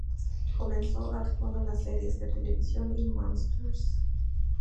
Comenzó actuando en las series de televisión y Monsters.